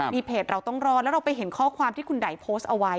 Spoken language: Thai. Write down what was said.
มีเพจเราต้องรอดแล้วเราไปเห็นข้อความที่คุณไดโพสต์เอาไว้